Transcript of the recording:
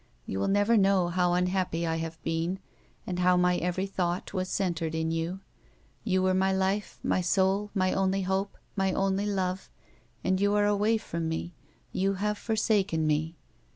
You will never know how unhappy I have been and how my every thought was centred in you. You were my life, my soul, my only hope, my only love, and you are away from me, you have forsaken me.